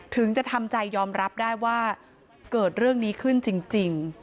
ถึงจะทำใจยอมรับได้ว่าเกิดเรื่องนี้ขึ้นจริง